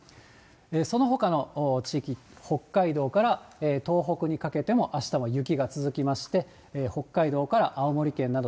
そのほかの地域、北海道から東北にかけてもあしたも雪が続きまして、北海道から青森県など、